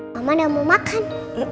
mama gak mau makan